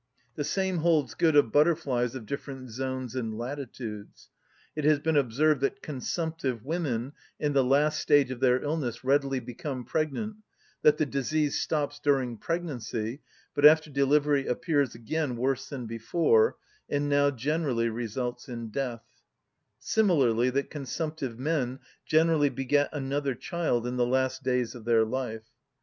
The same holds good of butterflies of different zones and latitudes. It has been observed that consumptive women, in the last stage of their illness, readily become pregnant, that the disease stops during pregnancy, but after delivery appears again worse than before, and now generally results in death: similarly that consumptive men generally beget another child in the last days of their life.